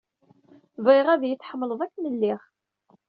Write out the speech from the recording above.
Bɣiɣ ad yi-tḥemmleḍ akken lliɣ.